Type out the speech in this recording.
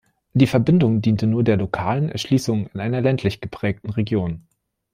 Die Verbindung diente nur der lokalen Erschließung in einer ländlich geprägten Region.